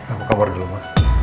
aku kabur dulu ma